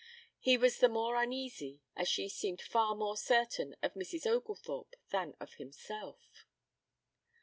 He was the more uneasy as she seemed far more certain of Mrs. Oglethorpe than of himself.